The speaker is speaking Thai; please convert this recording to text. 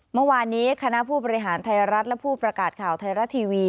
เมื่อวานนี้คณะผู้บริหารไทยรัฐและผู้ประกาศข่าวไทยรัฐทีวี